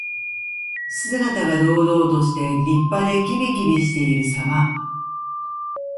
姿が堂々として、立派で、きびきびしているさま。